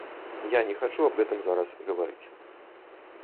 Я не хачу аб гэтым зараз гаварыць.